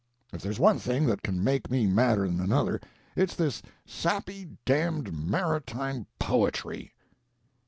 If there's one thing that can make me madder than another, it's this sappy, damned maritime poetry!"